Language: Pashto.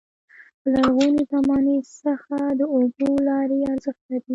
د لرغوني زمانو څخه د اوبو لارې ارزښت لري.